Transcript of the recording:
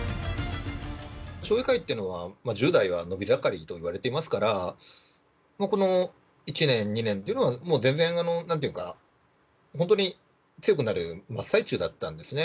将棋界というのは、１０代は伸び盛りといわれていますから、この１年、２年というのは全然なんというか、本当に強くなる真っ最中だったんですね。